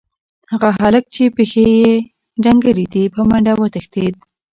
هغه هلک چې پښې یې ډنګرې دي، په منډه وتښتېد.